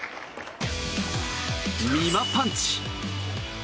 みまパンチ！